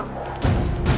dah dah please please